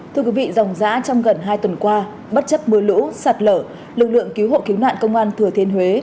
thưa quý vị dòng giã trong gần hai tuần qua bất chấp mưa lũ sạt lở lực lượng cứu hộ cứu nạn công an thừa thiên huế